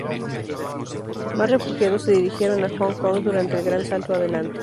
Más refugiados se dirigieron a Hong Kong durante el Gran Salto Adelante.